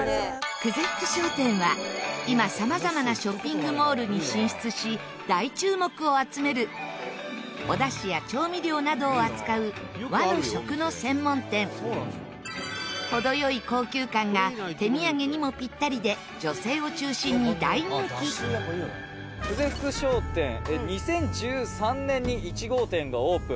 久世福商店は今、様々なショッピングモールに進出し、大注目を集めるおダシや調味料などを扱う和の食の専門店程良い高級感が手土産にもピッタリで女性を中心に大人気宮田：「久世福商店」「２０１３年に１号店がオープン」